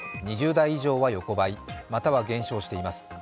２０代以上は横ばい、または減少しています。